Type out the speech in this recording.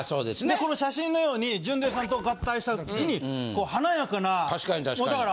この写真のように純烈さんと合体した時に華やかなだから。